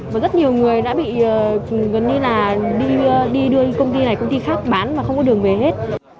và rất nhiều người đã bị gần như là đi đưa công ty này công ty khác bán mà không có đường về hết